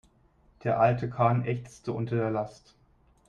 Der alte Kahn ächzte unter der Last.